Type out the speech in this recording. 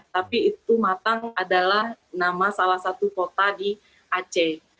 tapi itu matang adalah nama salah satu kota di aceh